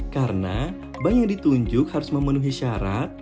karena bank yang ditunjuk harus memenuhi syarat